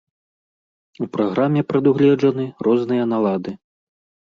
У праграме прадугледжаны розныя налады.